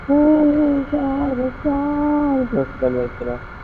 আমি প্রস্তুত, আমি নড়ছি না।